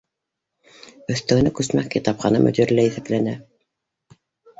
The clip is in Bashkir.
Өҫтәүенә күсмә китапхана мөдире лә иҫәпләнә